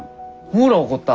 ほら怒った！